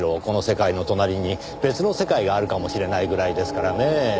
この世界の隣に別の世界があるかもしれないぐらいですからねぇ。